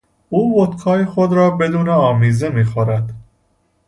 او ودکای خود را بدون آمیزه میخورد.